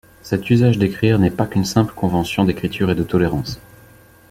Cet usage d'écrire n'est pas qu'une simple convention d'écriture et de tolérance.